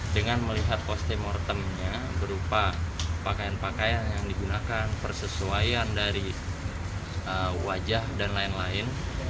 dengan melihat koste mortemnya berupa pakaian pakaian yang digunakan persesuaian dari wajah dan lain lain